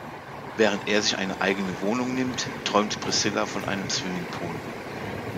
Während er sich eine eigene Wohnung nimmt, träumt Priscilla von einem Swimmingpool.